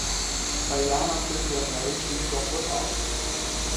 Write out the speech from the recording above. Alján a kőtörmelék kis dombot alkot.